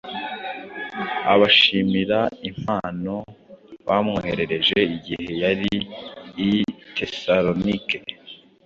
abashimira impano bamwohereje igihe yari i Tesalonike